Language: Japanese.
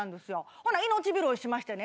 ほな命拾いしましてね。